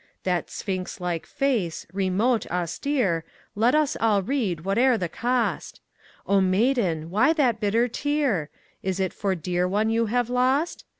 That sphinx like face, remote, austere, Let us all read, whate'er the cost: O Maiden! why that bitter tear? Is it for dear one you have lost?